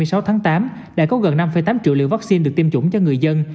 ngày hai mươi sáu tháng tám đã có gần năm tám triệu liều vaccine được tiêm chủng cho người dân